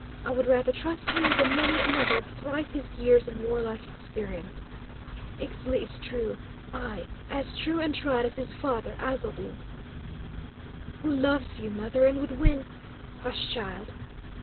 "I would rather trust him than many another of thrice his years and warlike experience. Ixtli is true; ay, as true and tried as his father, Aztotl!" "Who loves you, mother, and would win " "Hush, child!"